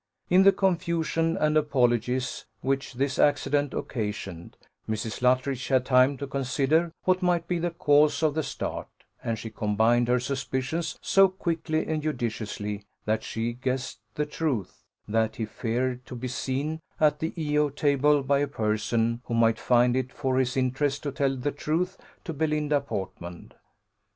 In the confusion and apologies which this accident occasioned, Mrs. Luttridge had time to consider what might be the cause of the start, and she combined her suspicions so quickly and judiciously that she guessed the truth that he feared to be seen at the E O table by a person who might find it for his interest to tell the truth to Belinda Portman.